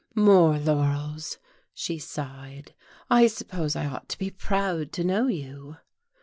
"More laurels!" she sighed. "I suppose I ought to be proud to know you."